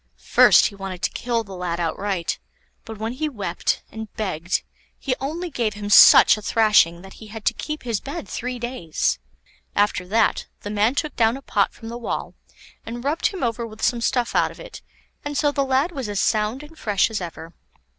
First he wanted to kill the lad outright, but when he wept, and begged, he only gave him such a thrashing that he had to keep his bed three days. After that the man took down a pot from the wall, and rubbed him over with some stuff out of it, and so the lad was as sound and fresh as ever.